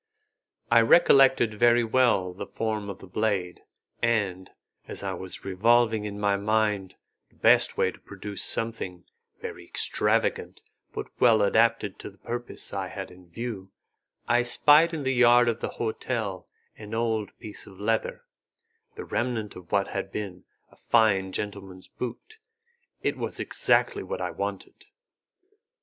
I recollected very well the form of the blade, and, as I was revolving in my mind the best way to produce something very extravagant but well adapted to the purpose I had in view, I spied in the yard of the hotel an old piece of leather, the remnant of what had been a fine gentleman's boot; it was exactly what I wanted.